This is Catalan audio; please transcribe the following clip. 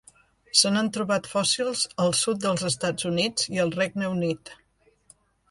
Se n'han trobat fòssils al sud dels Estats Units i al Regne Unit.